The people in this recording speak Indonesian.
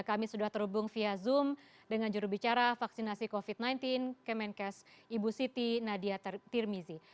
kami sudah terhubung via zoom dengan jurubicara vaksinasi covid sembilan belas kemenkes ibu siti nadia tirmizi